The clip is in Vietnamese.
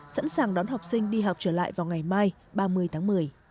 sẵn sàng đón học sinh đi học trở lại vào ngày mai ba mươi tháng một mươi